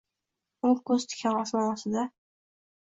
U ko’z tikkan osmon ostida